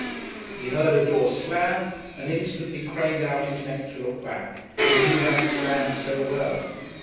He heard a door slam, and instantly craned out his neck to look back. He knew that slam so well.